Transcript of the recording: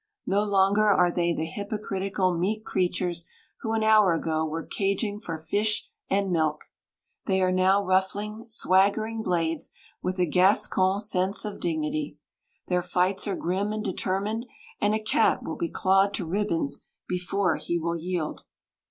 No longer are they the hypocritical, meek creatures who an hour ago were cadging for fish and milk. They are now ruffling, swaggering blades with a Gascon sense of dignity. Their fights are grim and determined, and a cat will be clawed to ribbons before he will yield.